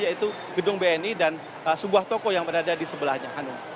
yaitu gedung bni dan sebuah toko yang berada di sebelahnya